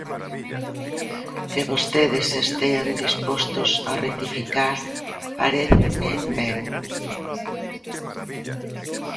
Que vostedes estean dispostos a rectificar paréceme ben.